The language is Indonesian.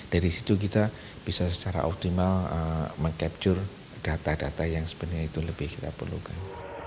dari situ kita bisa secara optimal meng capture data data yang sebenarnya itu lebih kita perlukan